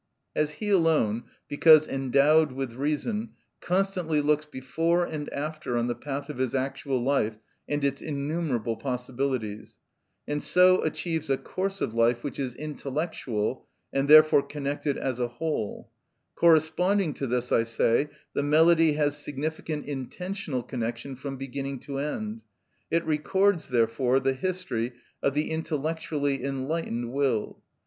As he alone, because endowed with reason, constantly looks before and after on the path of his actual life and its innumerable possibilities, and so achieves a course of life which is intellectual, and therefore connected as a whole; corresponding to this, I say, the melody has significant intentional connection from beginning to end. It records, therefore, the history of the intellectually enlightened will.